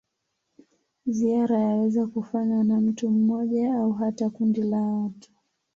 Ziara yaweza kufanywa na mtu mmoja au hata kundi la watu.